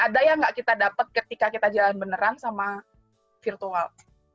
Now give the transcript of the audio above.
ada yang gak kita dapat ketika kita jalan beneran sama virtual